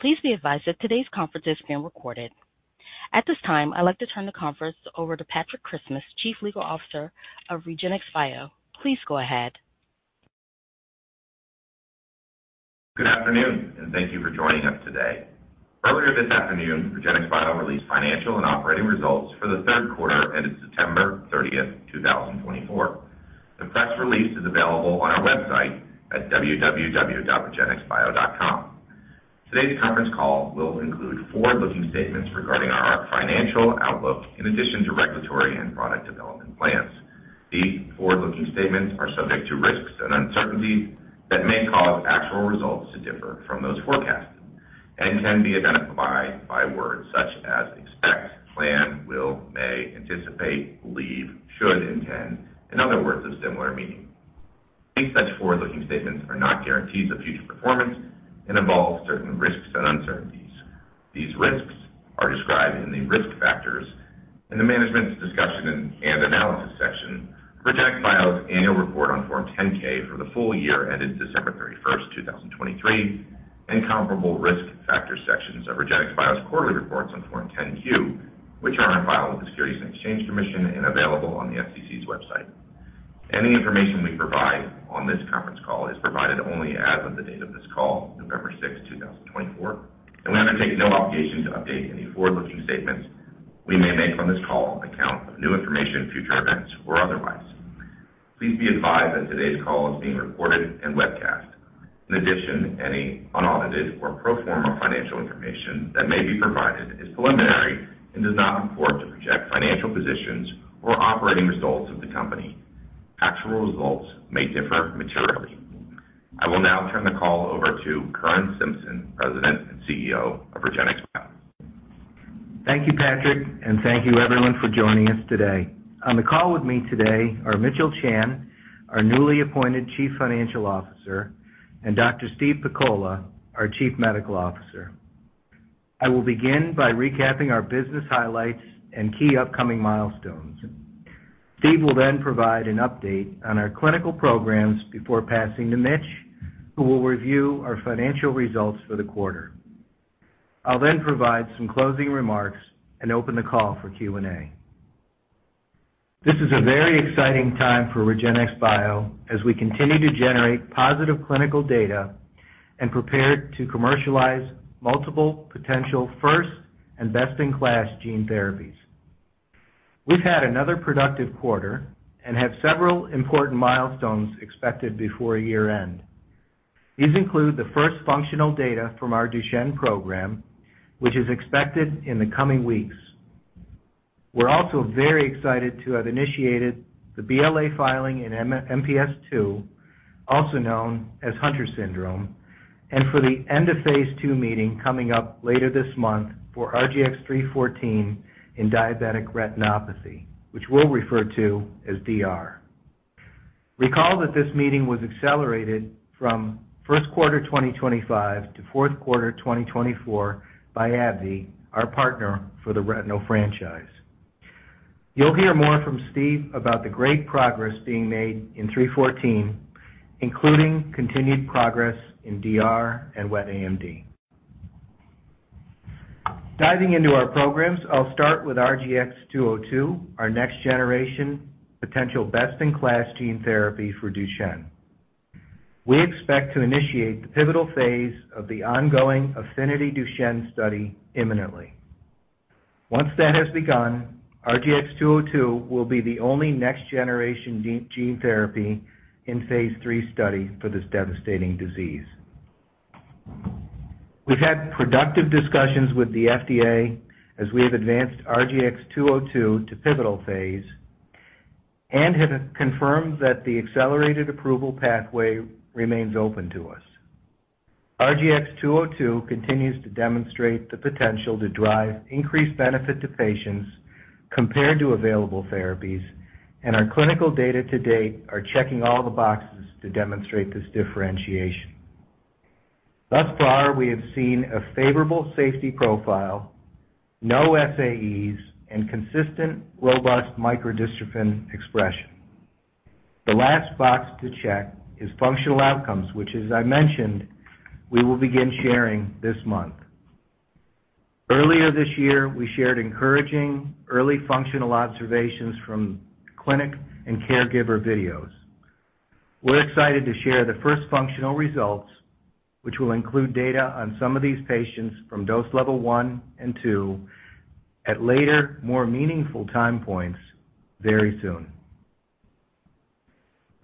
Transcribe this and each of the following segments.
Please be advised that today's conference is being recorded. At this time, I'd like to turn the conference over to Patrick Christmas, Chief Legal Officer of REGENXBIO. Please go ahead. Good afternoon, and thank you for joining us today. Earlier this afternoon, REGENXBIO released financial and operating results for the third quarter ended September 30th, 2024. The press release is available on our website at www.regenxbio.com. Today's conference call will include forward-looking statements regarding our financial outlook in addition to regulatory and product development plans. These forward-looking statements are subject to risks and uncertainties that may cause actual results to differ from those forecasted and can be identified by words such as expect, plan, will, may, anticipate, believe, should, intend, and other words of similar meaning. These such forward-looking statements are not guarantees of future performance and involve certain risks and uncertainties. These risks are described in the risk factors in the Management’s Discussion and Analysis section. REGENXBIO's annual report on Form 10-K for the full year ended December 31st, 2023, and comparable risk factor sections of REGENXBIO's quarterly reports on Form 10-Q, which are on file with the Securities and Exchange Commission and available on the SEC's website. Any information we provide on this conference call is provided only as of the date of this call, November 6th, 2024, and we undertake no obligation to update any forward-looking statements we may make on this call on account of new information, future events, or otherwise. Please be advised that today's call is being recorded and webcast. In addition, any unaudited or pro forma financial information that may be provided is preliminary and does not purport to project financial positions or operating results of the company. Actual results may differ materially. I will now turn the call over to Curran Simpson, President and CEO of REGENXBIO. Thank you, Patrick, and thank you, everyone, for joining us today. On the call with me today are Mitchell Chan, our newly appointed Chief Financial Officer, and Dr. Steve Pakola, our Chief Medical Officer. I will begin by recapping our business highlights and key upcoming milestones. Steve will then provide an update on our clinical programs before passing to Mitch, who will review our financial results for the quarter. I'll then provide some closing remarks and open the call for Q&A. This is a very exciting time for REGENXBIO as we continue to generate positive clinical data and prepare to commercialize multiple potential first and best-in-class gene therapies. We've had another productive quarter and have several important milestones expected before year-end. These include the first functional data from our Duchenne program, which is expected in the coming weeks. We're also very excited to have initiated the BLA filing in MPS II, also known as Hunter syndrome, and for the End-of-Phase II meeting coming up later this month for RGX-314 in diabetic retinopathy, which we'll refer to as DR. Recall that this meeting was accelerated from first quarter 2025 to fourth quarter 2024 by AbbVie, our partner for the retinal franchise. You'll hear more from Steve about the great progress being made in RGX-314, including continued progress in DR and wet AMD. Diving into our programs, I'll start with RGX-202, our next-generation potential best-in-class gene therapy for Duchenne. We expect to initiate the pivotal phase of the ongoing AFFINITY DUCHENNE study imminently. Once that has begun, RGX-202 will be the only next-generation gene therapy in phase III study for this devastating disease. We've had productive discussions with the FDA as we have advanced RGX-202 to pivotal phase and have confirmed that the accelerated approval pathway remains open to us. RGX-202 continues to demonstrate the potential to drive increased benefit to patients compared to available therapies, and our clinical data to date are checking all the boxes to demonstrate this differentiation. Thus far, we have seen a favorable safety profile, no SAEs, and consistent robust microdystrophin expression. The last box to check is functional outcomes, which, as I mentioned, we will begin sharing this month. Earlier this year, we shared encouraging early functional observations from clinic and caregiver videos. We're excited to share the first functional results, which will include data on some of these patients from dose level one and two at later, more meaningful time points very soon.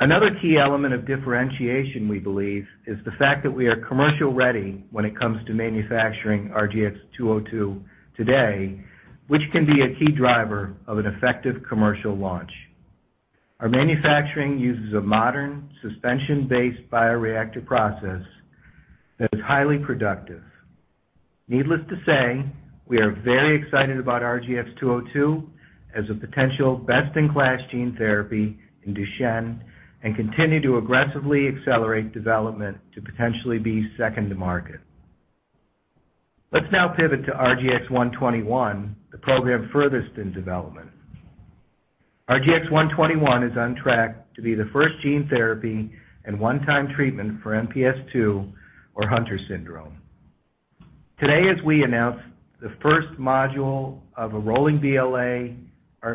Another key element of differentiation, we believe, is the fact that we are commercial-ready when it comes to manufacturing RGX-202 today, which can be a key driver of an effective commercial launch. Our manufacturing uses a modern suspension-based bioreactor process that is highly productive. Needless to say, we are very excited about RGX-202 as a potential best-in-class gene therapy in Duchenne and continue to aggressively accelerate development to potentially be second to market. Let's now pivot to RGX-121, the program furthest in development. RGX-121 is on track to be the first gene therapy and one-time treatment for MPS II or Hunter syndrome. Today, as we announced, the first module of a rolling BLA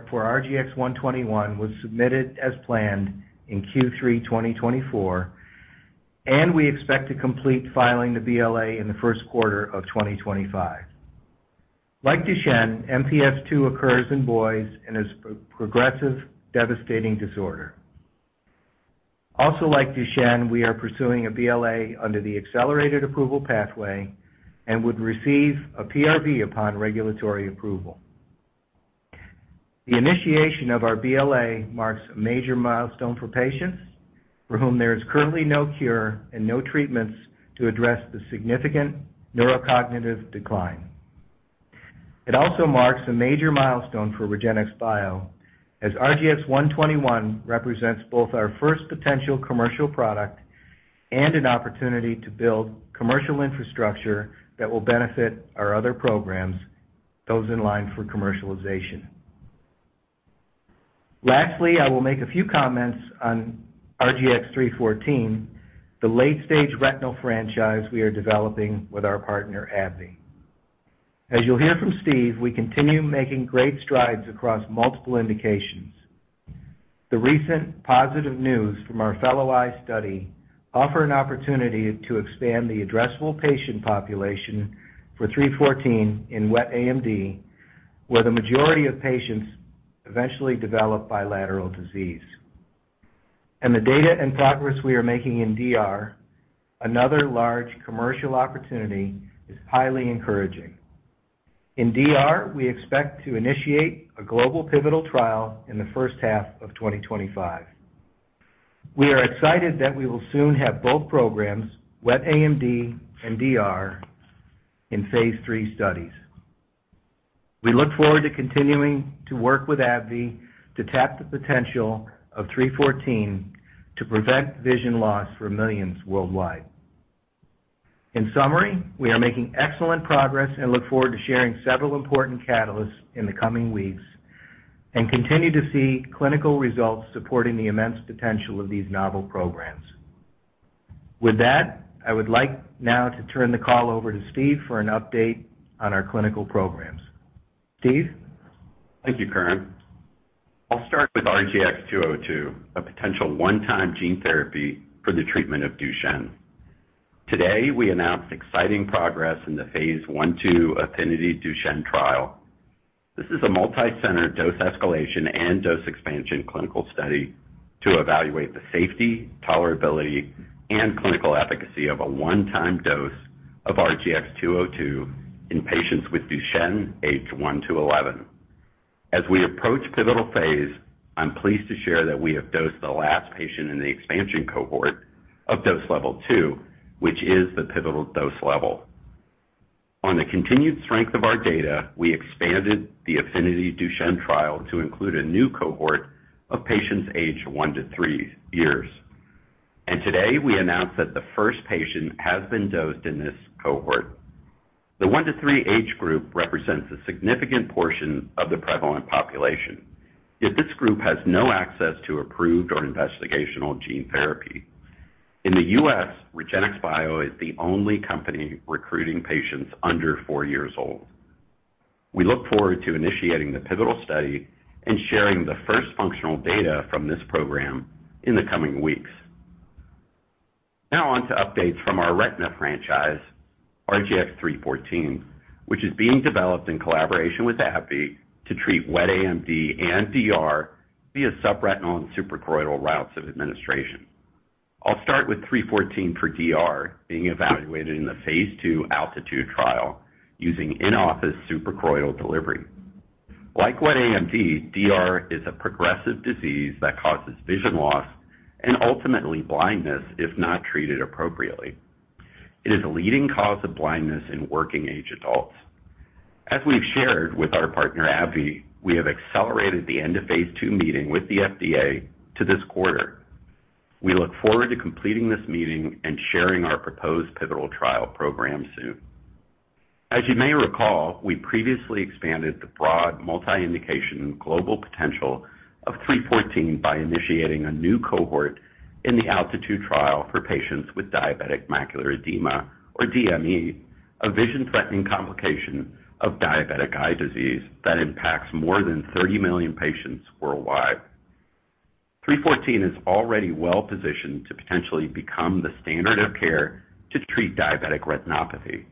for RGX-121 was submitted as planned in Q3 2024, and we expect to complete filing the BLA in the first quarter of 2025. Like Duchenne, MPS II occurs in boys and is a progressive devastating disorder. Also, like Duchenne, we are pursuing a BLA under the accelerated approval pathway and would receive a PRV upon regulatory approval. The initiation of our BLA marks a major milestone for patients for whom there is currently no cure and no treatments to address the significant neurocognitive decline. It also marks a major milestone for REGENXBIO, as RGX-121 represents both our first potential commercial product and an opportunity to build commercial infrastructure that will benefit our other programs, those in line for commercialization. Lastly, I will make a few comments on RGX-314, the late-stage retinal franchise we are developing with our partner AbbVie. As you'll hear from Steve, we continue making great strides across multiple indications. The recent positive news from our Fellow Eye Study offers an opportunity to expand the addressable patient population for RGX-314 in wet AMD, where the majority of patients eventually develop bilateral disease. The data and progress we are making in DR, another large commercial opportunity, is highly encouraging. In DR, we expect to initiate a global pivotal trial in the first half of 2025. We are excited that we will soon have both programs, wet AMD and DR, in phase III studies. We look forward to continuing to work with AbbVie to tap the potential of RGX-314 to prevent vision loss for millions worldwide. In summary, we are making excellent progress and look forward to sharing several important catalysts in the coming weeks and continue to see clinical results supporting the immense potential of these novel programs. With that, I would like now to turn the call over to Steve for an update on our clinical programs. Steve? Thank you, Curran. I'll start with RGX-202, a potential one-time gene therapy for the treatment of Duchenne. Today, we announced exciting progress in the phase I/II AFFINITY DUCHENNE trial. This is a multi-center dose escalation and dose expansion clinical study to evaluate the safety, tolerability, and clinical efficacy of a one-time dose of RGX-202 in patients with Duchenne age one to 11. As we approach pivotal phase, I'm pleased to share that we have dosed the last patient in the expansion cohort of dose level two, which is the pivotal dose level. On the continued strength of our data, we expanded the AFFINITY DUCHENNE trial to include a new cohort of patients age one to three years. And today, we announced that the first patient has been dosed in this cohort. The one to three age group represents a significant portion of the prevalent population, yet this group has no access to approved or investigational gene therapy. In the U.S., REGENXBIO is the only company recruiting patients under four years old. We look forward to initiating the pivotal study and sharing the first functional data from this program in the coming weeks. Now on to updates from our retina franchise, RGX-314, which is being developed in collaboration with AbbVie to treat wet AMD and DR via subretinal and suprachoroidal routes of administration. I'll start with RGX-314 for DR being evaluated in the phase II ALTITUDE trial using in-office suprachoroidal delivery. Like wet AMD, DR is a progressive disease that causes vision loss and ultimately blindness if not treated appropriately. It is a leading cause of blindness in working-age adults. As we've shared with our partner AbbVie, we have accelerated the End-of-Phase II meeting with the FDA to this quarter. We look forward to completing this meeting and sharing our proposed pivotal trial program soon. As you may recall, we previously expanded the broad multi-indication global potential of RGX-314 by initiating a new cohort in the ALTITUDE trial for patients with diabetic macular edema, or DME, a vision-threatening complication of diabetic eye disease that impacts more than 30 million patients worldwide. RGX-314 is already well-positioned to potentially become the standard of care to treat diabetic retinopathy.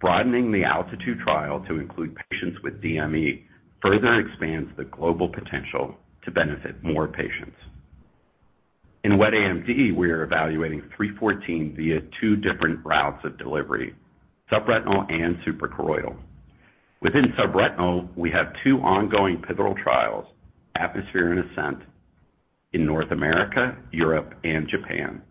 Broadening the ALTITUDE trial to include patients with DME further expands the global potential to benefit more patients. In wet AMD, we are evaluating RGX-314 via two different routes of delivery, subretinal and suprachoroidal. Within subretinal, we have two ongoing pivotal trials, ATMOSPHERE and ASCENT, in North America, Europe, and Japan.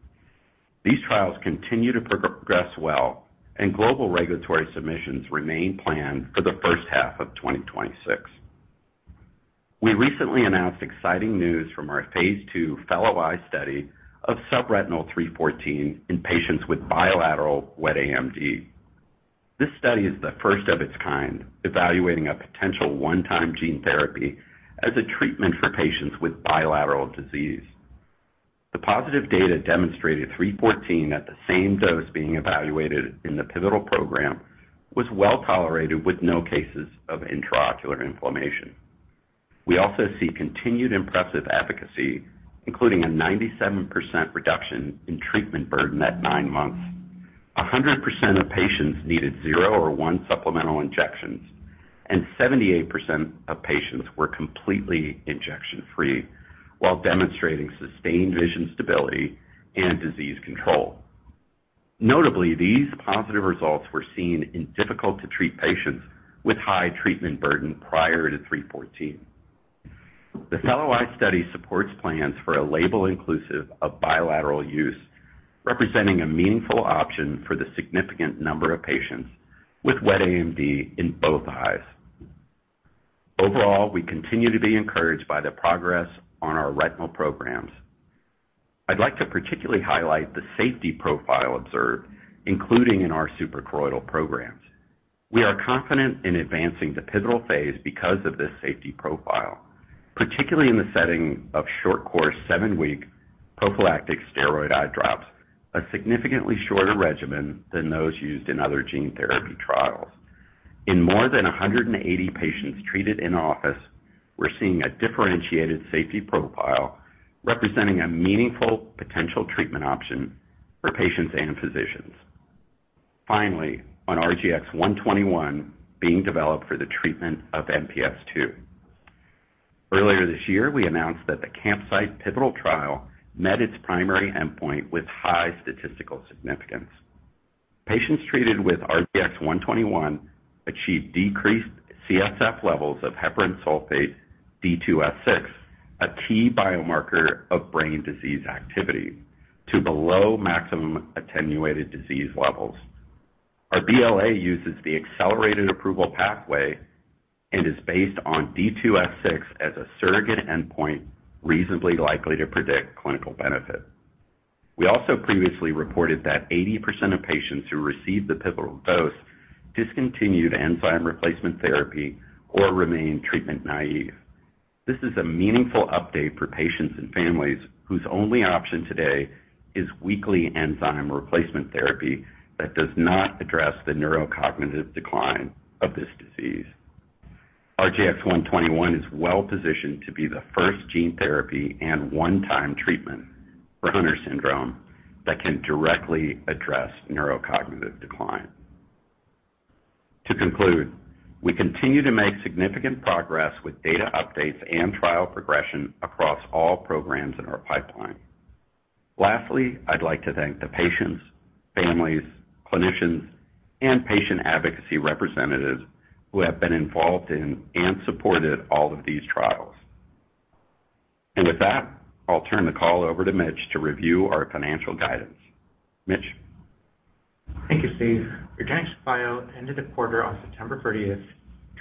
These trials continue to progress well, and global regulatory submissions remain planned for the first half of 2026. We recently announced exciting news from our phase II Fellow Eye Study of subretinal RGX-314 in patients with bilateral wet AMD. This study is the first of its kind evaluating a potential one-time gene therapy as a treatment for patients with bilateral disease. The positive data demonstrated RGX-314 at the same dose being evaluated in the pivotal program was well tolerated with no cases of intraocular inflammation. We also see continued impressive efficacy, including a 97% reduction in treatment burden at nine months, 100% of patients needed zero or one supplemental injections, and 78% of patients were completely injection-free while demonstrating sustained vision stability and disease control. Notably, these positive results were seen in difficult-to-treat patients with high treatment burden prior to RGX-314. The Fellow Eye Study supports plans for a label inclusive of bilateral use, representing a meaningful option for the significant number of patients with wet AMD in both eyes. Overall, we continue to be encouraged by the progress on our retinal programs. I'd like to particularly highlight the safety profile observed, including in our suprachoroidal programs. We are confident in advancing the pivotal phase because of this safety profile, particularly in the setting of short-course seven-week prophylactic steroid eye drops, a significantly shorter regimen than those used in other gene therapy trials. In more than 180 patients treated in office, we're seeing a differentiated safety profile representing a meaningful potential treatment option for patients and physicians. Finally, on RGX-121 being developed for the treatment of MPS II. Earlier this year, we announced that the CAMPSITE pivotal trial met its primary endpoint with high statistical significance. Patients treated with RGX-121 achieved decreased CSF levels of heparan sulfate D2S6, a key biomarker of brain disease activity, to below maximum attenuated disease levels. Our BLA uses the accelerated approval pathway and is based on D2S6 as a surrogate endpoint reasonably likely to predict clinical benefit. We also previously reported that 80% of patients who received the pivotal dose discontinued enzyme replacement therapy or remain treatment naive. This is a meaningful update for patients and families whose only option today is weekly enzyme replacement therapy that does not address the neurocognitive decline of this disease. RGX-121 is well-positioned to be the first gene therapy and one-time treatment for Hunter syndrome that can directly address neurocognitive decline. To conclude, we continue to make significant progress with data updates and trial progression across all programs in our pipeline. Lastly, I'd like to thank the patients, families, clinicians, and patient advocacy representatives who have been involved in and supported all of these trials. And with that, I'll turn the call over to Mitch to review our financial guidance. Mitch. Thank you, Steve. REGENXBIO ended the quarter on September 30,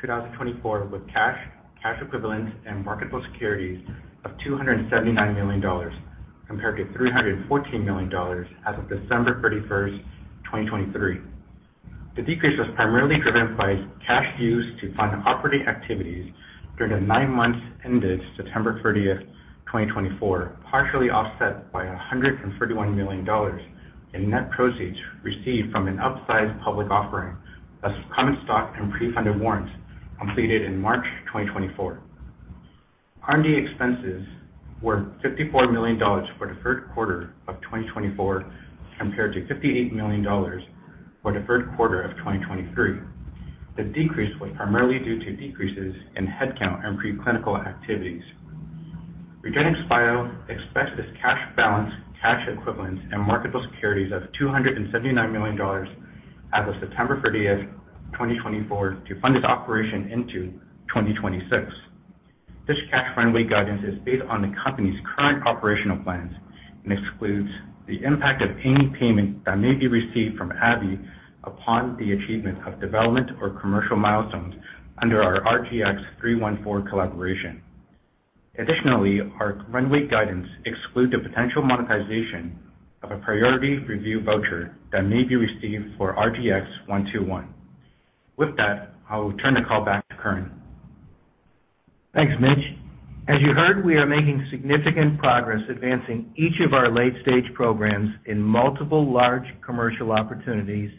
2024, with cash, cash equivalents, and marketable securities of $279 million compared to $314 million as of December 31, 2023. The decrease was primarily driven by cash used to fund operating activities during the nine months ended September 30, 2024, partially offset by $131 million in net proceeds received from an upsized public offering of common stock and pre-funded warrants completed in March 2024. R&D expenses were $54 million for the third quarter of 2024 compared to $58 million for the third quarter of 2023. The decrease was primarily due to decreases in headcount and preclinical activities. REGENXBIO expects its cash balance, cash equivalents, and marketable securities of $279 million as of September 30, 2024, to fund its operation into 2026. This cash runway guidance is based on the company's current operational plans and excludes the impact of any payment that may be received from AbbVie upon the achievement of development or commercial milestones under our RGX-314 collaboration. Additionally, our runway guidance excludes the potential monetization of a priority review voucher that may be received for RGX-121. With that, I will turn the call back to Curran. Thanks, Mitch. As you heard, we are making significant progress advancing each of our late-stage programs in multiple large commercial opportunities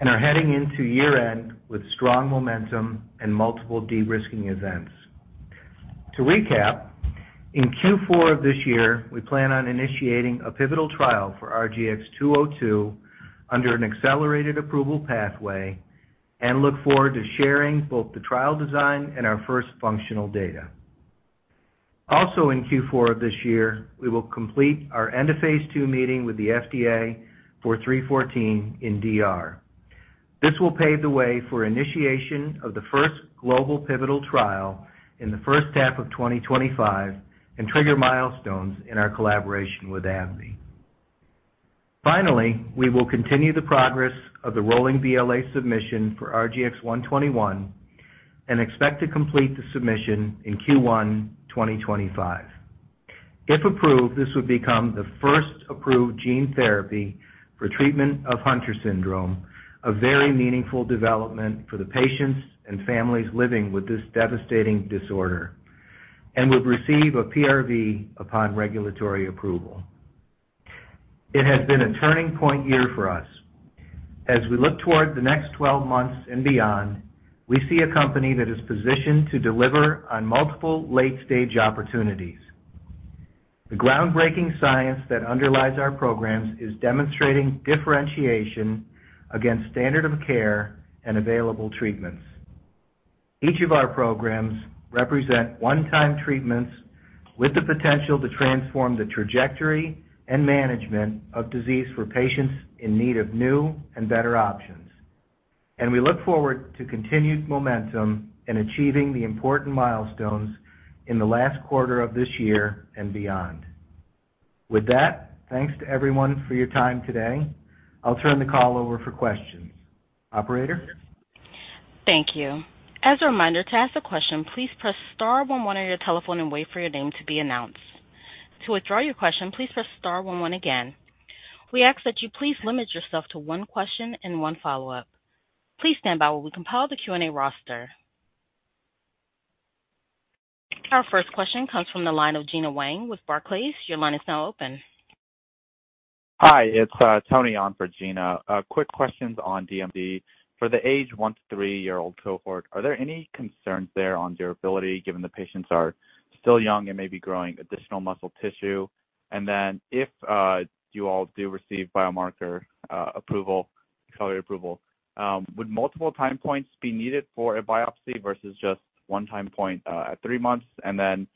and are heading into year-end with strong momentum and multiple de-risking events. To recap, in Q4 of this year, we plan on initiating a pivotal trial for RGX-202 under an accelerated approval pathway and look forward to sharing both the trial design and our first functional data. Also, in Q4 of this year, we will complete our End-of-Phase II meeting with the FDA for RGX-314 in DR. This will pave the way for initiation of the first global pivotal trial in the first half of 2025 and trigger milestones in our collaboration with AbbVie. Finally, we will continue the progress of the rolling BLA submission for RGX-121 and expect to complete the submission in Q1 2025. If approved, this would become the first approved gene therapy for treatment of Hunter syndrome, a very meaningful development for the patients and families living with this devastating disorder, and would receive a PRV upon regulatory approval. It has been a turning point year for us. As we look toward the next 12 months and beyond, we see a company that is positioned to deliver on multiple late-stage opportunities. The groundbreaking science that underlies our programs is demonstrating differentiation against standard of care and available treatments. Each of our programs represent one-time treatments with the potential to transform the trajectory and management of disease for patients in need of new and better options. And we look forward to continued momentum in achieving the important milestones in the last quarter of this year and beyond. With that, thanks to everyone for your time today. I'll turn the call over for questions. Operator? Thank you. As a reminder, to ask a question, please press star one one on your telephone and wait for your name to be announced. To withdraw your question, please press star one one again. We ask that you please limit yourself to one question and one follow-up. Please stand by while we compile the Q&A roster. Our first question comes from the line of Gena Wang with Barclays. Your line is now open. Hi, it's Tony on for Gena. Quick questions on DMD for the age one to three-year-old cohort. Are there any concerns there on durability given the patients are still young and may be growing additional muscle tissue? And then if you all do receive biomarker approval, accelerated approval, would multiple time points be needed for a biopsy versus just one time point at three months? And then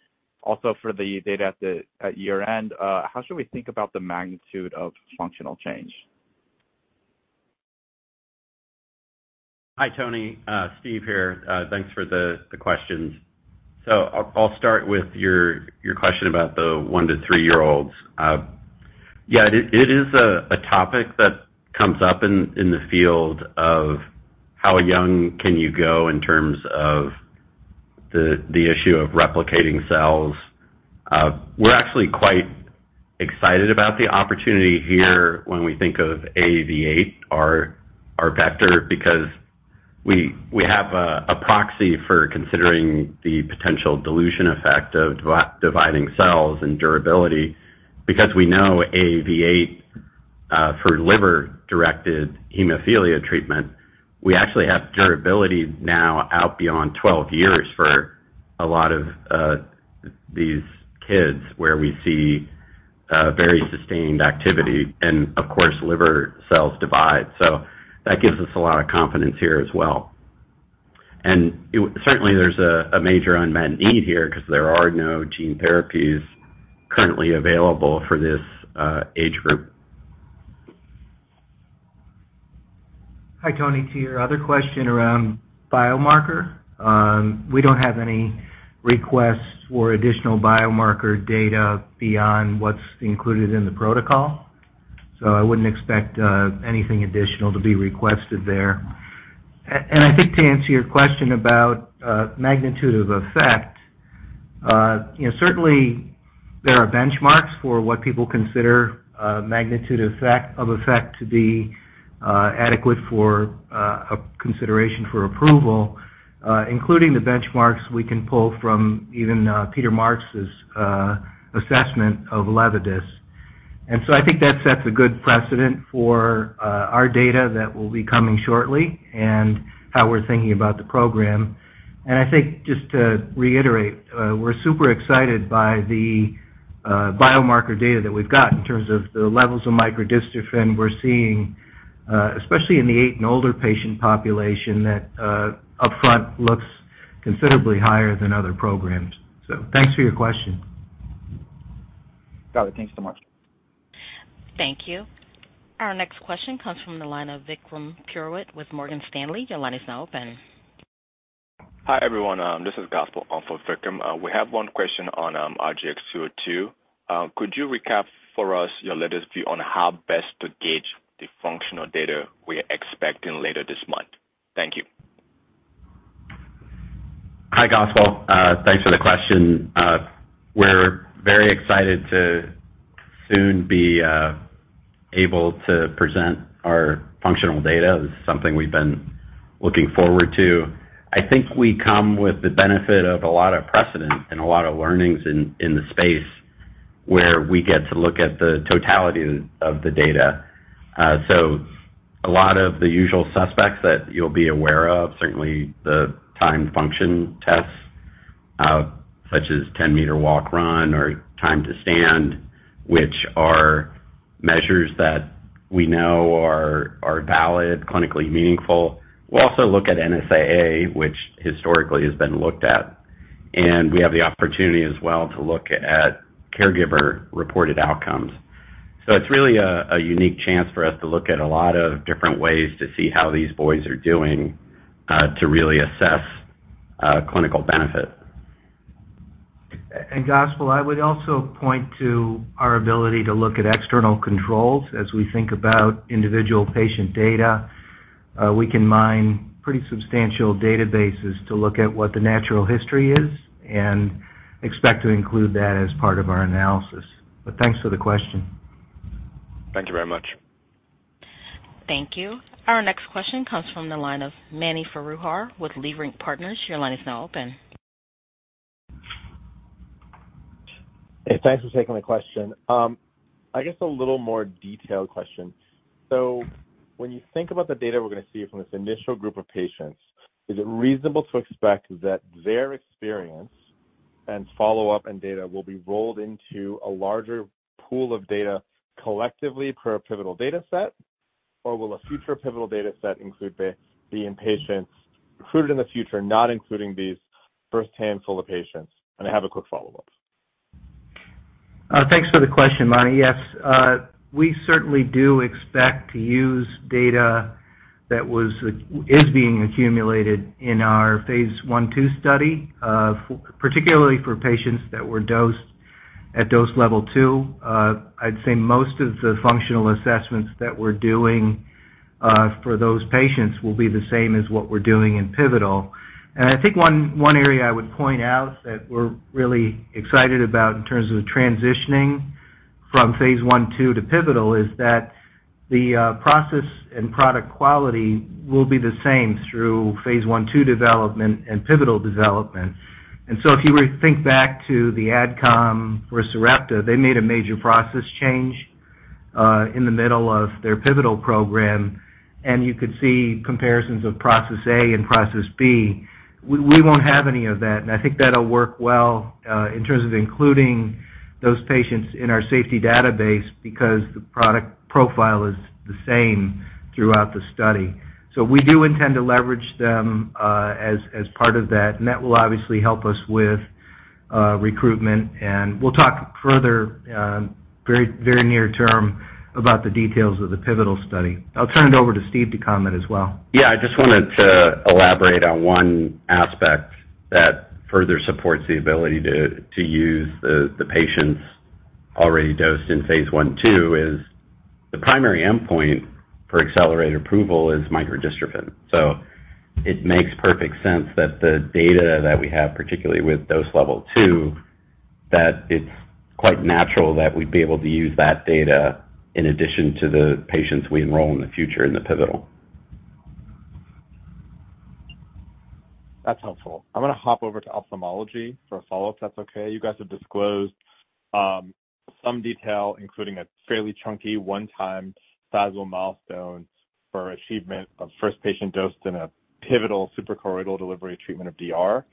also for the data at year-end, how should we think about the magnitude of functional change? Hi, Tony. Steve here. Thanks for the questions. So I'll start with your question about the one to three-year-olds. Yeah, it is a topic that comes up in the field of how young can you go in terms of the issue of replicating cells. We're actually quite excited about the opportunity here when we think of AAV8, our vector, because we have a proxy for considering the potential dilution effect of dividing cells and durability. Because we know AAV8 for liver-directed hemophilia treatment, we actually have durability now out beyond 12 years for a lot of these kids where we see very sustained activity. And of course, liver cells divide. So that gives us a lot of confidence here as well. And certainly, there's a major unmet need here because there are no gene therapies currently available for this age group. Hi, Tony. To your other question around biomarker, we don't have any requests for additional biomarker data beyond what's included in the protocol. So I wouldn't expect anything additional to be requested there, and I think to answer your question about magnitude of effect, certainly, there are benchmarks for what people consider magnitude of effect to be adequate for a consideration for approval, including the benchmarks we can pull from even Peter Marks' assessment of Elevidys, and so I think that sets a good precedent for our data that will be coming shortly and how we're thinking about the program, and I think just to reiterate, we're super excited by the biomarker data that we've got in terms of the levels of microdystrophin we're seeing, especially in the eight-and-older patient population that upfront looks considerably higher than other programs. So thanks for your question. Got it. Thanks so much. Thank you. Our next question comes from the line of Vikram Purohit with Morgan Stanley. Your line is now open. Hi everyone. This is Gospel for Vikram. We have one question on RGX-202. Could you recap for us your latest view on how best to gauge the functional data we're expecting later this month? Thank you. Hi, Gospel. Thanks for the question. We're very excited to soon be able to present our functional data. It's something we've been looking forward to. I think we come with the benefit of a lot of precedent and a lot of learnings in the space where we get to look at the totality of the data. So a lot of the usual suspects that you'll be aware of, certainly the time function tests such as 10-meter walk run or time to stand, which are measures that we know are valid, clinically meaningful. We'll also look at NSAA, which historically has been looked at. And we have the opportunity as well to look at caregiver-reported outcomes. So it's really a unique chance for us to look at a lot of different ways to see how these boys are doing to really assess clinical benefit. Gospel, I would also point to our ability to look at external controls as we think about individual patient data. We can mine pretty substantial databases to look at what the natural history is and expect to include that as part of our analysis, but thanks for the question. Thank you very much. Thank you. Our next question comes from the line of Mani Foroohar with Leerink Partners. Your line is now open. Hey, thanks for taking the question. I guess a little more detailed question. So when you think about the data we're going to see from this initial group of patients, is it reasonable to expect that their experience and follow-up and data will be rolled into a larger pool of data collectively per a pivotal data set, or will a future pivotal data set include the patients recruited in the future, not including these first handful of patients? And I have a quick follow-up. Thanks for the question, Mani. Yes, we certainly do expect to use data that is being accumulated in our phase I/II study, particularly for patients that were dosed at dose level two. I'd say most of the functional assessments that we're doing for those patients will be the same as what we're doing in pivotal. And I think one area I would point out that we're really excited about in terms of transitioning from phase I/II to pivotal is that the process and product quality will be the same through phase I/II development and pivotal development. And so if you think back to the AdCom for Sarepta, they made a major process change in the middle of their pivotal program, and you could see comparisons of process A and process B. We won't have any of that. I think that'll work well in terms of including those patients in our safety database because the product profile is the same throughout the study. So we do intend to leverage them as part of that. And that will obviously help us with recruitment. And we'll talk further very near term about the details of the pivotal study. I'll turn it over to Steve to comment as well. Yeah, I just wanted to elaborate on one aspect that further supports the ability to use the patients already dosed in phase I/II is the primary endpoint for accelerated approval is microdystrophin. So it makes perfect sense that the data that we have, particularly with dose level two, that it's quite natural that we'd be able to use that data in addition to the patients we enroll in the future in the pivotal. That's helpful. I'm going to hop over to ophthalmology for a follow-up, if that's okay. You guys have disclosed some detail, including a fairly chunky one-time sizable milestone for achievement of first patient dosed in a pivotal suprachoroidal delivery treatment of DR.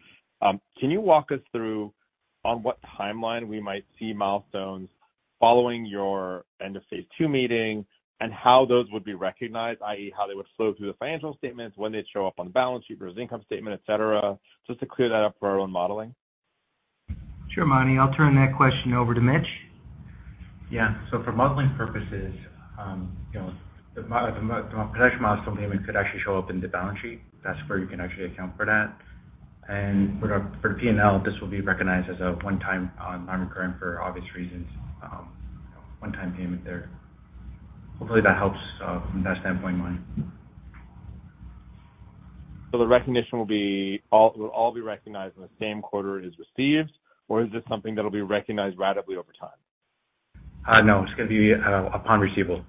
Can you walk us through on what timeline we might see milestones following your End-of-Phase II meeting and how those would be recognized, i.e., how they would flow through the financial statements, when they'd show up on the balance sheet versus income statement, etc., just to clear that up for our own modeling? Sure, Mani. I'll turn that question over to Mitch. Yeah. So for modeling purposes, the potential milestone payment could actually show up in the balance sheet. That's where you can actually account for that. And for the P&L, this will be recognized as a one-time non-recurring for obvious reasons, one-time payment there. Hopefully, that helps from that standpoint, Mani. So the recognition will all be recognized in the same quarter as received, or is this something that'll be recognized ratably over time? No, it's going to be upon receivable.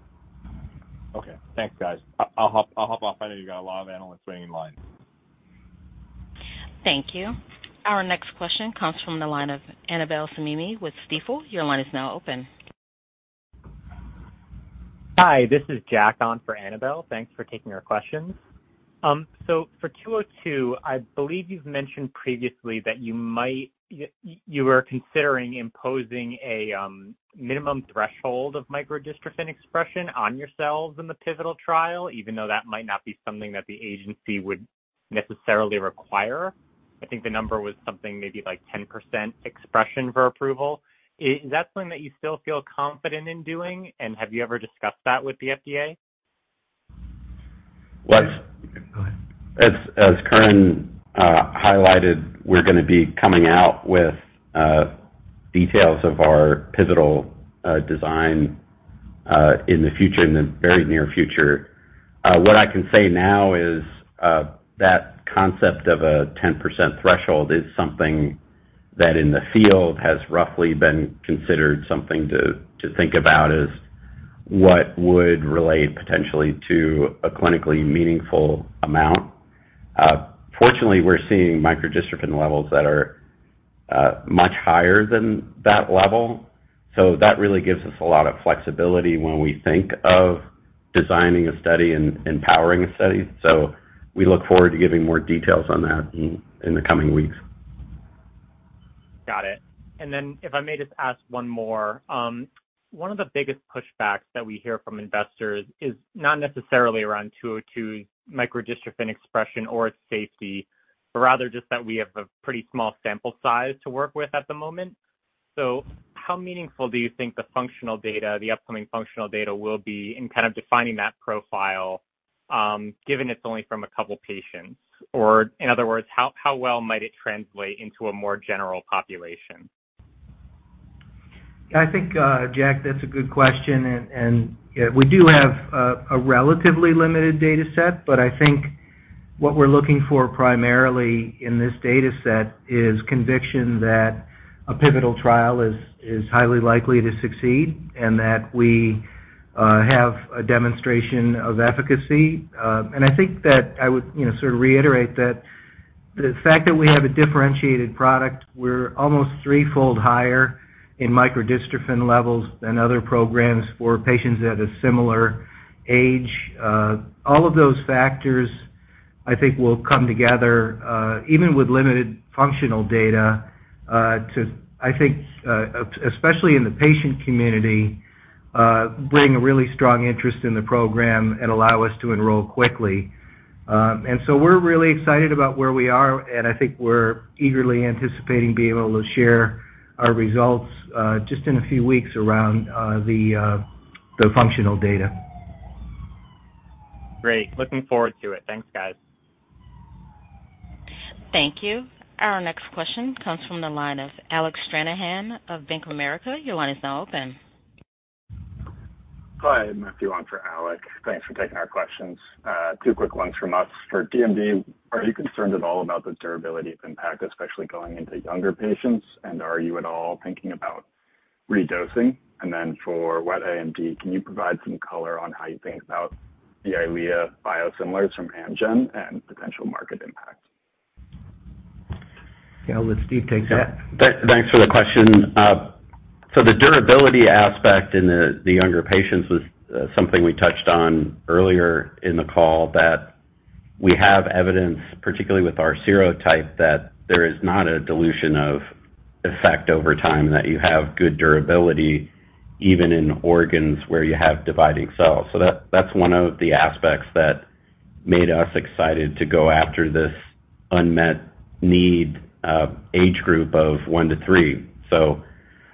Okay. Thanks, guys. I'll hop off. I know you got a lot of analysts waiting in line. Thank you. Our next question comes from the line of Annabel Samimi with Stifel. Your line is now open. Hi, this is Jack on for Annabel. Thanks for taking our questions. So for 202, I believe you've mentioned previously that you were considering imposing a minimum threshold of microdystrophin expression on yourselves in the pivotal trial, even though that might not be something that the agency would necessarily require. I think the number was something maybe like 10% expression for approval. Is that something that you still feel confident in doing, and have you ever discussed that with the FDA? As Curran highlighted, we're going to be coming out with details of our pivotal design in the future, in the very near future. What I can say now is that concept of a 10% threshold is something that in the field has roughly been considered something to think about as what would relate potentially to a clinically meaningful amount. Fortunately, we're seeing microdystrophin levels that are much higher than that level so that really gives us a lot of flexibility when we think of designing a study and powering a study so we look forward to giving more details on that in the coming weeks. Got it. And then if I may just ask one more, one of the biggest pushbacks that we hear from investors is not necessarily around 202's microdystrophin expression or its safety, but rather just that we have a pretty small sample size to work with at the moment. So how meaningful do you think the upcoming functional data will be in kind of defining that profile, given it's only from a couple of patients? Or in other words, how well might it translate into a more general population? I think, Jack, that's a good question. And we do have a relatively limited data set, but I think what we're looking for primarily in this data set is conviction that a pivotal trial is highly likely to succeed and that we have a demonstration of efficacy. And I think that I would sort of reiterate that the fact that we have a differentiated product, we're almost threefold higher in microdystrophin levels than other programs for patients at a similar age. All of those factors, I think, will come together, even with limited functional data, I think, especially in the patient community, bring a really strong interest in the program and allow us to enroll quickly. And so we're really excited about where we are, and I think we're eagerly anticipating being able to share our results just in a few weeks around the functional data. Great. Looking forward to it. Thanks, guys. Thank you. Our next question comes from the line of Alec Stranahan of Bank of America. Your line is now open. Hi, Matthew on for Alec. Thanks for taking our questions. Two quick ones from us. For DMD, are you concerned at all about the durability of impact, especially going into younger patients? And are you at all thinking about redosing? And then for Wet AMD, can you provide some color on how you think about the EYLEA biosimilars from Amgen and potential market impact? Yeah, I'll let Steve take that. Thanks for the question. The durability aspect in the younger patients was something we touched on earlier in the call, that we have evidence, particularly with our serotype, that there is not a dilution of effect over time, that you have good durability even in organs where you have dividing cells. That's one of the aspects that made us excited to go after this unmet need age group of one to three. We're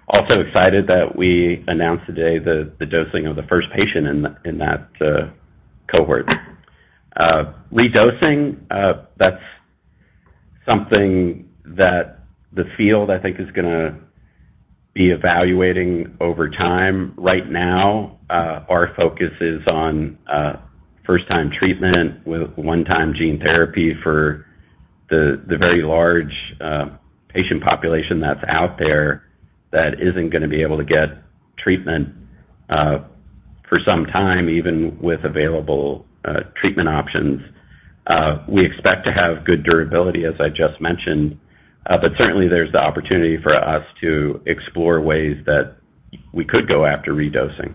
also excited that we announced today the dosing of the first patient in that cohort. Redosing, that's something that the field, I think, is going to be evaluating over time. Right now, our focus is on first-time treatment with one-time gene therapy for the very large patient population that's out there that isn't going to be able to get treatment for some time, even with available treatment options. We expect to have good durability, as I just mentioned, but certainly there's the opportunity for us to explore ways that we could go after redosing.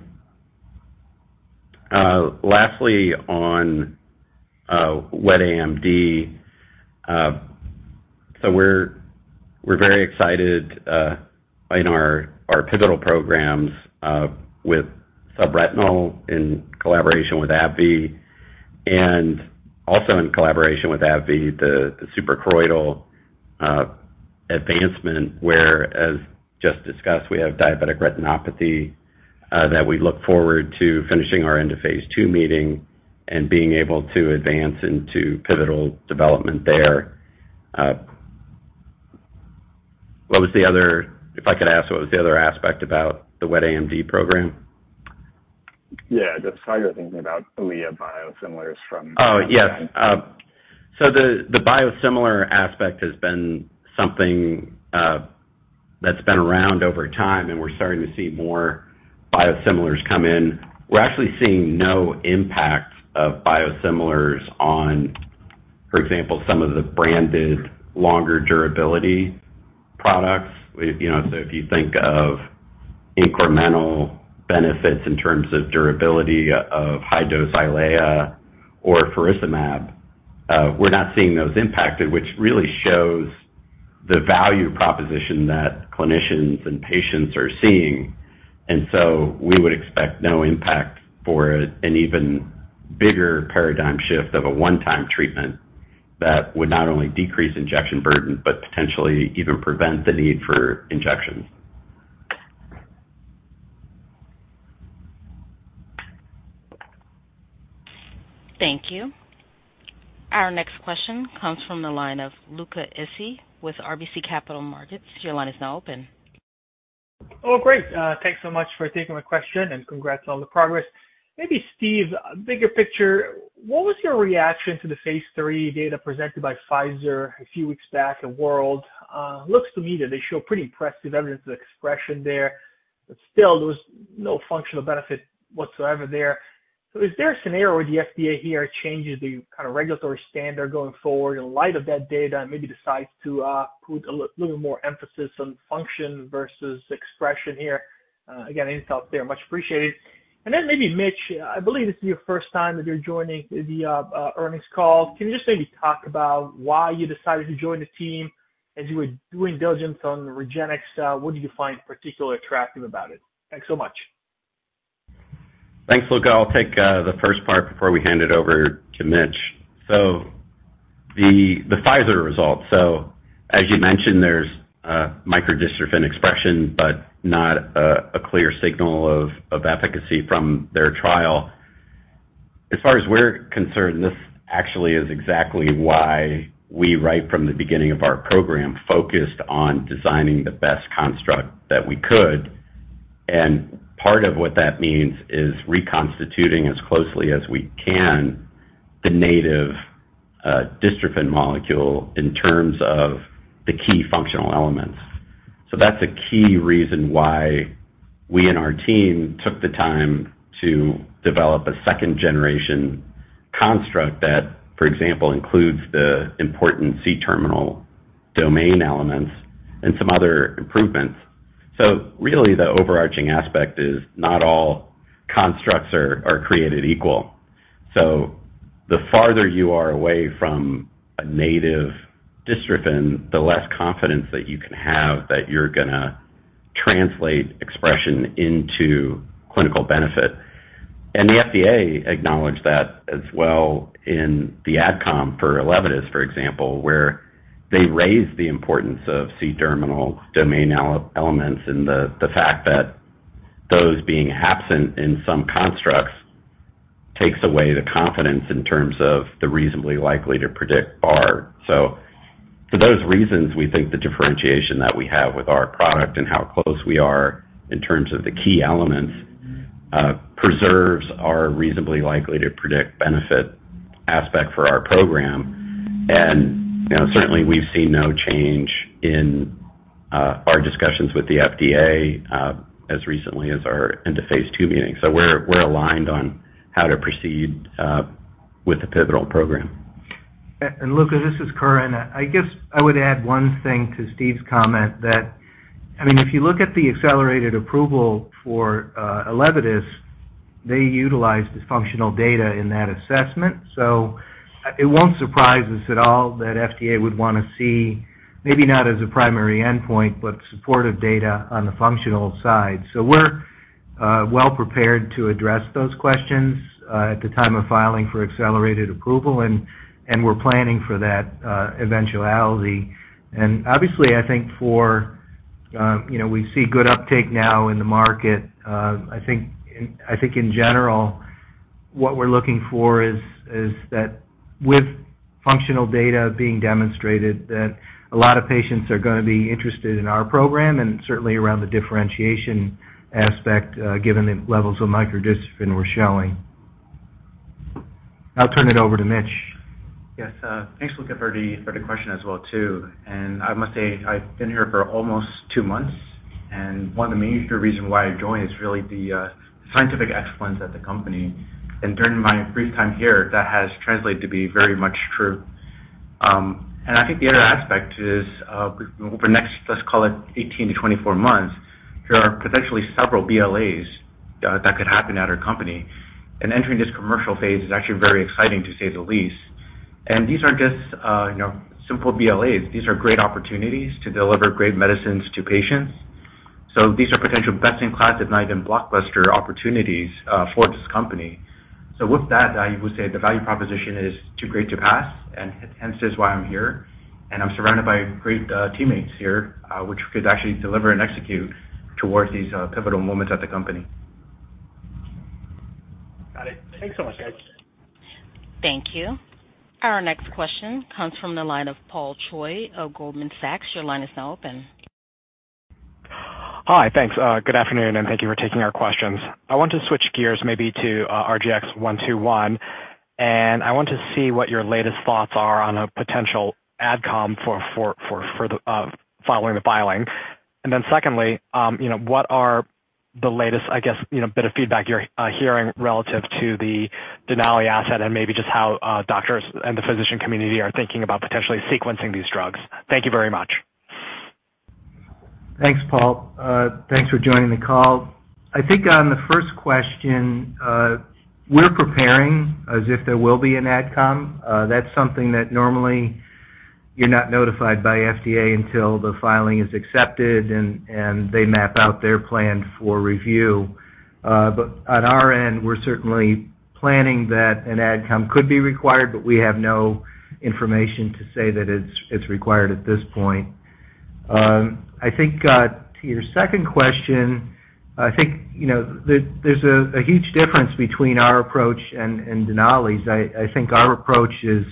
Lastly, on Wet AMD, so we're very excited in our pivotal programs with subretinal in collaboration with AbbVie, and also in collaboration with AbbVie, the suprachoroidal advancement, where, as just discussed, we have diabetic retinopathy that we look forward to finishing our End-of-Phase II meeting and being able to advance into pivotal development there. What was the other—if I could ask—what was the other aspect about the Wet AMD program? Yeah, just how you're thinking about EYLEA biosimilars from. Oh, yes. So the biosimilar aspect has been something that's been around over time, and we're starting to see more biosimilars come in. We're actually seeing no impact of biosimilars on, for example, some of the branded longer durability products. So if you think of incremental benefits in terms of durability of high-dose EYLEA or faricimab, we're not seeing those impacted, which really shows the value proposition that clinicians and patients are seeing. And so we would expect no impact for an even bigger paradigm shift of a one-time treatment that would not only decrease injection burden, but potentially even prevent the need for injections. Thank you. Our next question comes from the line of Luca Issi with RBC Capital Markets. Your line is now open. Oh, great. Thanks so much for taking my question and congrats on the progress. Maybe Steve, bigger picture, what was your reaction to the phase II data presented by Pfizer a few weeks back in world? Looks to me that they show pretty impressive evidence of expression there, but still, there was no functional benefit whatsoever there. So is there a scenario where the FDA here changes the kind of regulatory standard going forward in light of that data and maybe decides to put a little more emphasis on function versus expression here? Again, any thoughts there? Much appreciated. And then maybe Mitch, I believe this is your first time that you're joining the earnings call. Can you just maybe talk about why you decided to join the team as you were doing diligence on REGENXBIO? What did you find particularly attractive about it? Thanks so much. Thanks, Luca. I'll take the first part before we hand it over to Mitch. So the Pfizer results, so as you mentioned, there's microdystrophin expression, but not a clear signal of efficacy from their trial. As far as we're concerned, this actually is exactly why we, right from the beginning of our program, focused on designing the best construct that we could. And part of what that means is reconstituting as closely as we can the native dystrophin molecule in terms of the key functional elements. So that's a key reason why we and our team took the time to develop a second-generation construct that, for example, includes the important C-terminal domain elements and some other improvements. So really, the overarching aspect is not all constructs are created equal. So the farther you are away from a native dystrophin, the less confidence that you can have that you're going to translate expression into clinical benefit. And the FDA acknowledged that as well in the AdCom for ELEVIDYS, for example, where they raised the importance of C-terminal domain elements and the fact that those being absent in some constructs takes away the confidence in terms of the reasonably likely to predict benefit. So for those reasons, we think the differentiation that we have with our product and how close we are in terms of the key elements preserves our reasonably likely to predict benefit aspect for our program. And certainly, we've seen no change in our discussions with the FDA as recently as our End-of-Phase II meeting. So we're aligned on how to proceed with the pivotal program. Luca, this is Curran. I guess I would add one thing to Steve's comment that, I mean, if you look at the accelerated approval for ELEVIDYS, they utilized the functional data in that assessment. So it won't surprise us at all that FDA would want to see, maybe not as a primary endpoint, but supportive data on the functional side. So we're well prepared to address those questions at the time of filing for accelerated approval, and we're planning for that eventuality. Obviously, I think what we see good uptake now in the market. I think in general, what we're looking for is that with functional data being demonstrated, that a lot of patients are going to be interested in our program and certainly around the differentiation aspect given the levels of microdystrophin we're showing. I'll turn it over to Mitch. Yes. Thanks, Luca, for the question as well, too. And I must say, I've been here for almost two months, and one of the major reasons why I joined is really the scientific excellence at the company. And during my brief time here, that has translated to be very much true. And I think the other aspect is over the next, let's call it, 18 to 24 months, there are potentially several BLAs that could happen at our company. And entering this commercial phase is actually very exciting, to say the least. And these aren't just simple BLAs. These are great opportunities to deliver great medicines to patients. So these are potential best-in-class, if not even blockbuster opportunities for this company. So with that, I would say the value proposition is too great to pass, and hence is why I'm here. I'm surrounded by great teammates here, which could actually deliver and execute towards these pivotal moments at the company. Got it. Thanks so much, guys. Thank you. Our next question comes from the line of Paul Choi of Goldman Sachs. Your line is now open. Hi, thanks. Good afternoon, and thank you for taking our questions. I want to switch gears maybe to RGX-121, and I want to see what your latest thoughts are on a potential AdCom for following the filing. And then secondly, what are the latest, I guess, bit of feedback you're hearing relative to the Denali asset and maybe just how doctors and the physician community are thinking about potentially sequencing these drugs? Thank you very much. Thanks, Paul. Thanks for joining the call. I think on the first question, we're preparing as if there will be an AdCom. That's something that normally you're not notified by FDA until the filing is accepted, and they map out their plan for review. But on our end, we're certainly planning that an AdCom could be required, but we have no information to say that it's required at this point. I think to your second question, I think there's a huge difference between our approach and Denali's. I think our approach is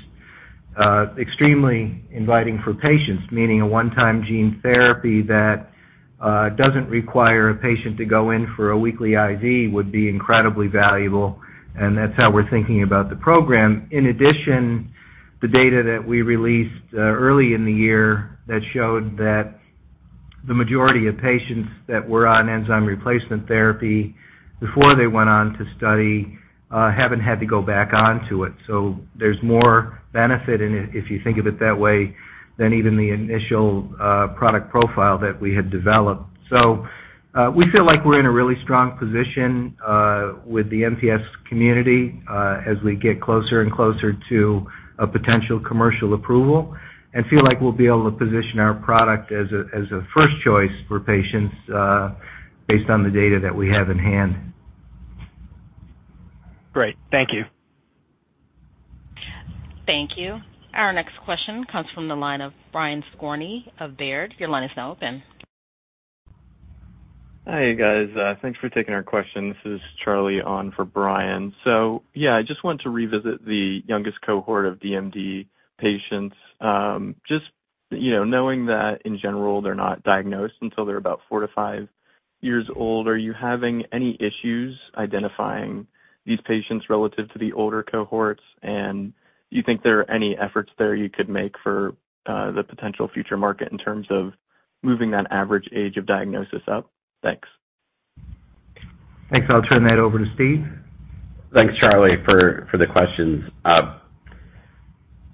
extremely inviting for patients, meaning a one-time gene therapy that doesn't require a patient to go in for a weekly IV would be incredibly valuable, and that's how we're thinking about the program. In addition, the data that we released early in the year, that showed that the majority of patients that were on enzyme replacement therapy before they went on to study haven't had to go back onto it. So there's more benefit in it, if you think of it that way, than even the initial product profile that we had developed. So we feel like we're in a really strong position with the MPS community as we get closer and closer to a potential commercial approval and feel like we'll be able to position our product as a first choice for patients based on the data that we have in hand. Great. Thank you. Thank you. Our next question comes from the line of Brian Skorney of Baird. Your line is now open. Hi guys. Thanks for taking our question. This is Charlie on for Brian. So yeah, I just want to revisit the youngest cohort of DMD patients. Just knowing that in general, they're not diagnosed until they're about four-to-five years old, are you having any issues identifying these patients relative to the older cohorts? And do you think there are any efforts there you could make for the potential future market in terms of moving that average age of diagnosis up? Thanks. Thanks. I'll turn that over to Steve. Thanks, Charlie, for the questions.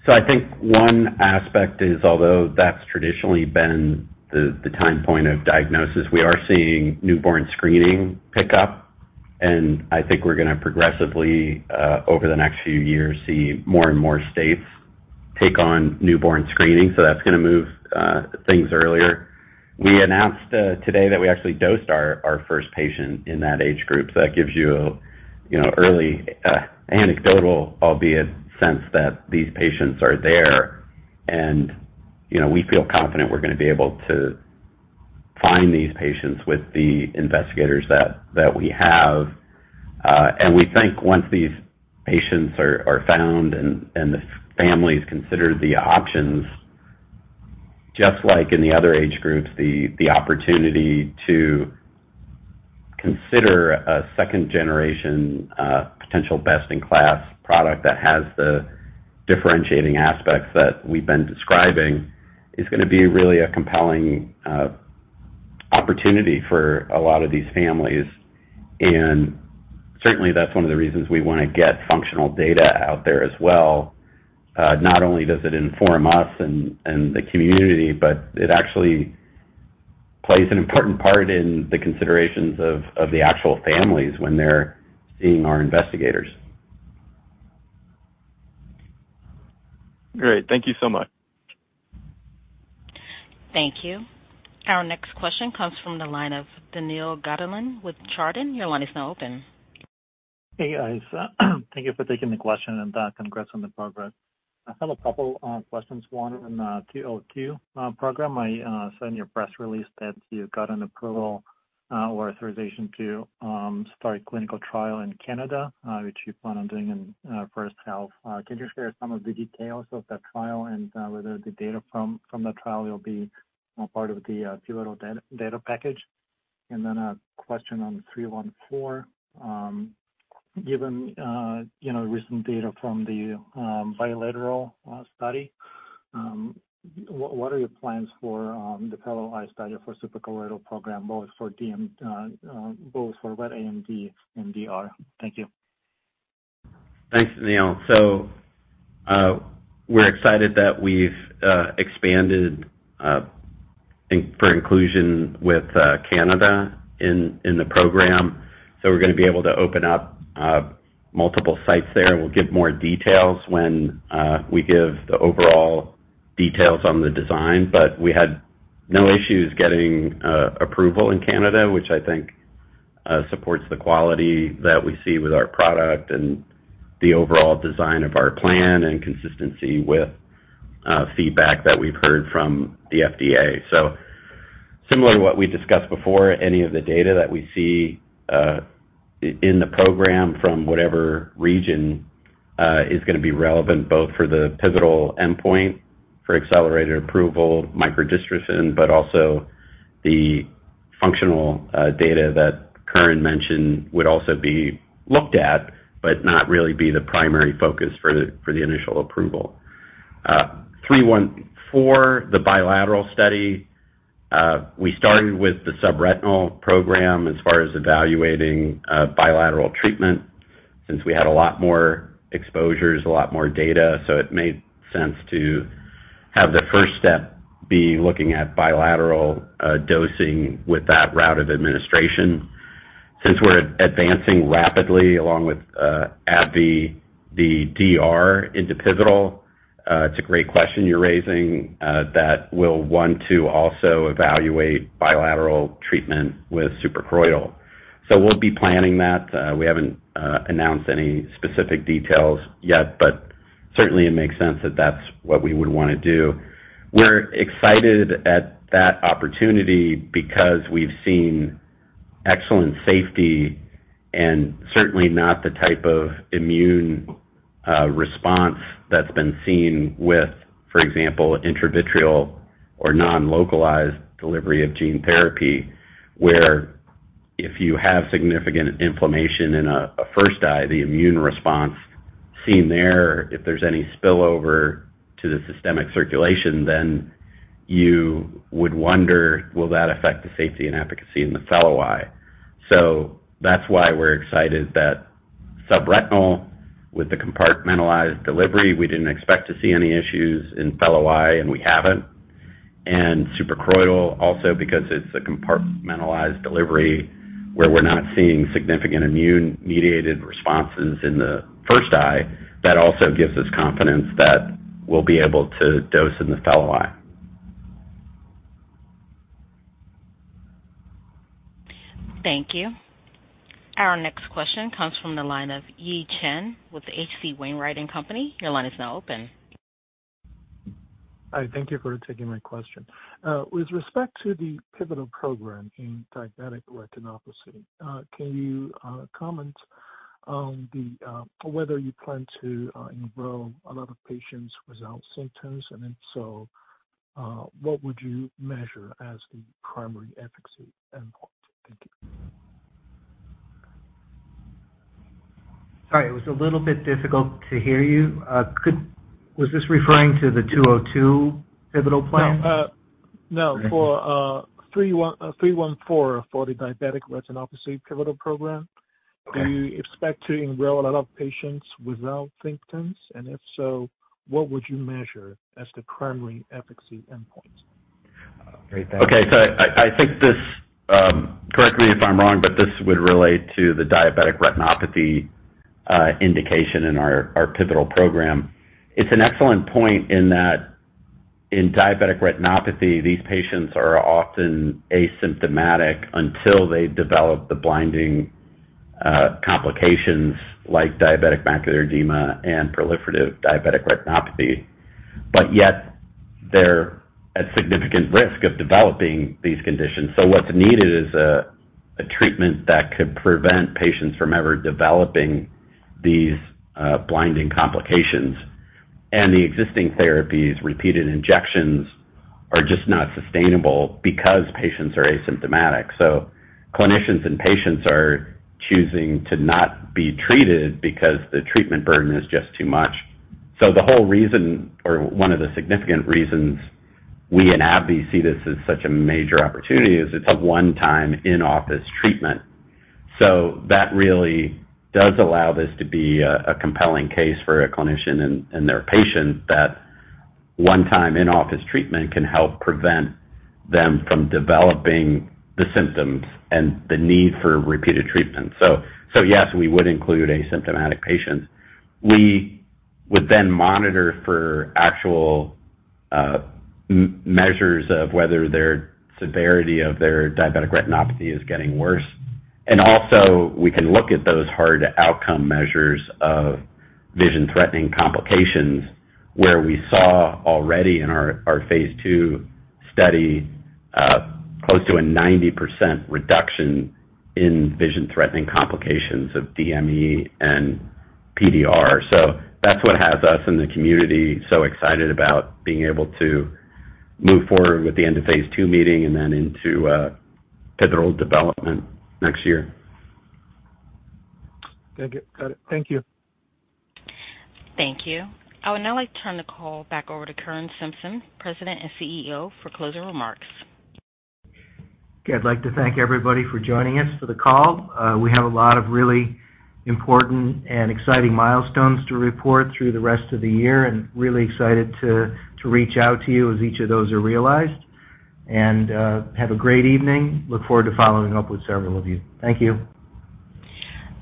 So I think one aspect is, although that's traditionally been the time point of diagnosis, we are seeing newborn screening pick up, and I think we're going to progressively over the next few years see more and more states take on newborn screening. So that's going to move things earlier. We announced today that we actually dosed our first patient in that age group. So that gives you an early anecdotal, albeit sense, that these patients are there, and we feel confident we're going to be able to find these patients with the investigators that we have. And we think once these patients are found and the family's considered the options, just like in the other age groups, the opportunity to consider a second-generation potential best-in-class product that has the differentiating aspects that we've been describing is going to be really a compelling opportunity for a lot of these families. And certainly, that's one of the reasons we want to get functional data out there as well. Not only does it inform us and the community, but it actually plays an important part in the considerations of the actual families when they're seeing our investigators. Great. Thank you so much. Thank you. Our next question comes from the line of Daniil Gataulin with Chardan. Your line is now open. Hey, guys. Thank you for taking the question and congrats on the progress. I have a couple of questions. One on the 202 program. I saw in your press release that you got an approval or authorization to start a clinical trial in Canada, which you plan on doing in first half. Can you share some of the details of that trial and whether the data from that trial will be part of the pivotal data package? And then a question on RGX-314. Given recent data from the bilateral study, what are your plans for the Fellow Eye study for suprachoroidal program, both for wet AMD and DR? Thank you. Thanks, Daniil. We're excited that we've expanded for inclusion with Canada in the program. We're going to be able to open up multiple sites there. We'll give more details when we give the overall details on the design, but we had no issues getting approval in Canada, which I think supports the quality that we see with our product and the overall design of our plan and consistency with feedback that we've heard from the FDA. Similar to what we discussed before, any of the data that we see in the program from whatever region is going to be relevant both for the pivotal endpoint for accelerated approval, microdystrophin, but also the functional data that Curran mentioned would also be looked at, but not really be the primary focus for the initial approval. RGX-314, the bilateral study, we started with the subretinal program as far as evaluating bilateral treatment since we had a lot more exposures, a lot more data. So it made sense to have the first step be looking at bilateral dosing with that route of administration. Since we're advancing rapidly along with AbbVie, the DR into pivotal, it's a great question you're raising that will want to also evaluate bilateral treatment with suprachoroidal. So we'll be planning that. We haven't announced any specific details yet, but certainly it makes sense that that's what we would want to do. We're excited at that opportunity because we've seen excellent safety and certainly not the type of immune response that's been seen with, for example, intravitreal or non-localized delivery of gene therapy, where if you have significant inflammation in a first eye, the immune response seen there, if there's any spillover to the systemic circulation, then you would wonder, will that affect the safety and efficacy in the fellow eye, so that's why we're excited that subretinal with the compartmentalized delivery, we didn't expect to see any issues in fellow eye, and we haven't, and suprachoroidal also because it's a compartmentalized delivery where we're not seeing significant immune-mediated responses in the first eye. That also gives us confidence that we'll be able to dose in the fellow eye. Thank you. Our next question comes from the line of Yi Chen with H.C. Wainwright & Co. Your line is now open. Hi. Thank you for taking my question. With respect to the pivotal program in diabetic retinopathy, can you comment on whether you plan to enroll a lot of patients without symptoms? And if so, what would you measure as the primary efficacy endpoint? Thank you. Sorry, it was a little bit difficult to hear you. Was this referring to the 202 pivotal plan? No. For 314 for the diabetic retinopathy pivotal program, do you expect to enroll a lot of patients without symptoms? And if so, what would you measure as the primary efficacy endpoint? Okay. So I think this, correct me if I'm wrong, but this would relate to the diabetic retinopathy indication in our pivotal program. It's an excellent point in that in diabetic retinopathy, these patients are often asymptomatic until they develop the blinding complications like diabetic macular edema and proliferative diabetic retinopathy, but yet they're at significant risk of developing these conditions. So what's needed is a treatment that could prevent patients from ever developing these blinding complications. And the existing therapies, repeated injections, are just not sustainable because patients are asymptomatic. So clinicians and patients are choosing to not be treated because the treatment burden is just too much. So the whole reason, or one of the significant reasons we in AbbVie see this as such a major opportunity is it's a one-time in-office treatment. That really does allow this to be a compelling case for a clinician and their patient that one-time in-office treatment can help prevent them from developing the symptoms and the need for repeated treatment. Yes, we would include asymptomatic patients. We would then monitor for actual measures of whether the severity of their diabetic retinopathy is getting worse. And also, we can look at those hard outcome measures of vision-threatening complications where we saw already in our phase II study close to a 90% reduction in vision-threatening complications of DME and PDR. That's what has us in the community so excited about being able to move forward with the end of phase II meeting and then into pivotal development next year. Thank you. Got it. Thank you. Thank you. I would now like to turn the call back over to Curran Simpson, President and CEO, for closing remarks. Okay. I'd like to thank everybody for joining us for the call. We have a lot of really important and exciting milestones to report through the rest of the year and really excited to reach out to you as each of those are realized. And have a great evening. Look forward to following up with several of you. Thank you.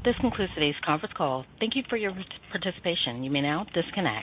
This concludes today's conference call. Thank you for your participation. You may now disconnect.